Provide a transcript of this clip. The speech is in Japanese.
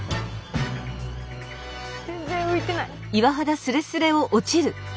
全然浮いてない。